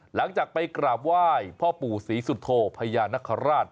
หลังจากไปกราบไหว้พ่อปู่ศรีสุโธพญานคราช